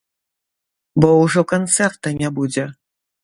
Бо ўжо канцэрта не будзе.